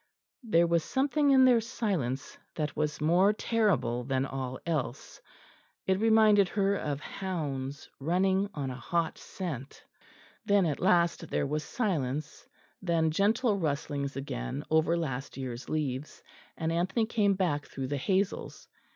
There was something in their silence that was more terrible than all else; it reminded her of hounds running on a hot scent. Then at last there was silence; then gentle rustlings again over last year's leaves; and Anthony came back through the hazels.